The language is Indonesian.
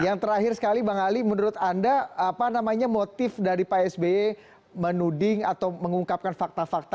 yang terakhir sekali bang ali menurut anda apa namanya motif dari pak sby menuding atau mengungkapkan fakta fakta